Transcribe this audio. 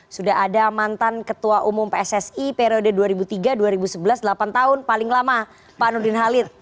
sudah ada mantan ketua umum pssi periode dua ribu tiga dua ribu sebelas delapan tahun paling lama pak nurdin halid